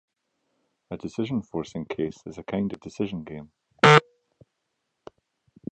A decision-forcing case is a kind of decision game.